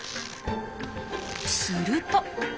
すると。